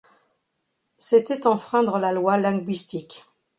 C'était enfreindre la loi linguistique.